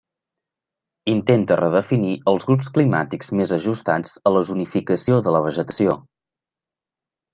Intenta redefinir als grups climàtics més ajustats a la zonificació de la vegetació.